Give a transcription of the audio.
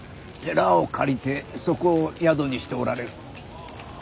寺を借りてそこを宿にしておられる。